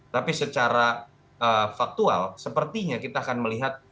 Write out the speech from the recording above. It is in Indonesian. tapi secara faktual sepertinya kita akan melihat